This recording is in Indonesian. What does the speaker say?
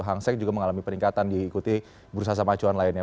hangseng juga mengalami peningkatan diikuti bursa saham acuan lainnya